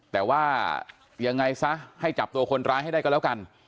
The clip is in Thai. แต่ว่ายังไงซะให้จับตัวคนร้ายให้ได้ก็แล้วกัน